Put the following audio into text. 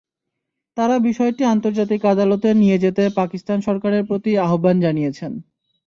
তাঁরা বিষয়টি আন্তর্জাতিক আদালতে নিয়ে যেতে পাকিস্তান সরকারের প্রতি আহ্বান জানিয়েছেন।